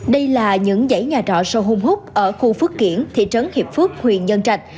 đây là những giấy nhà trọ sâu hung hút ở khu phước kiển thị trấn hiệp phước huyện nhân trạch